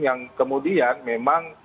yang kemudian memang